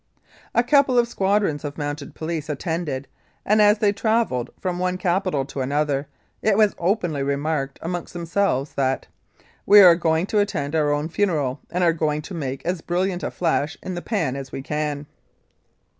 A couple of squadrons of Mounted Police attended, and as they travelled from one capital to another it was openly remarked amongst themselves that, "we are going to attend our own funeral and are going to make as brilliant a flash in the pan as we can."